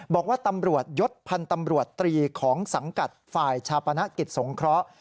บอกว่าตำรวจยศพันธ์ตำรวจตรีของสังกัดฝ่ายชาปนกิจสงเคราะห์